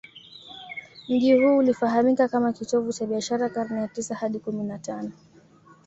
Mji huu ulifahamika kama kitovu cha biashara karne ya tisa hadi kumi na tano